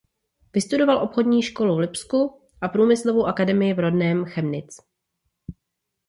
Vystudoval obchodní školu v Lipsku a průmyslovou akademii v rodném Chemnitz.